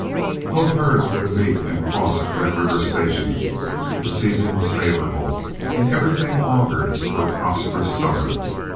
Both herds were to meet and cross at Red River Station. The season was favorable, and everything augured for a prosperous summer.